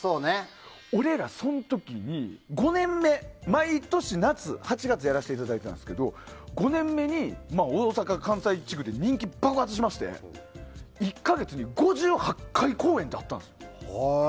俺らその時に５年目、毎年夏８月にやらせていただいてたんですけど５年目に大阪、関西地区で人気が爆発しまして１か月に５８回公演ってあったんですよ。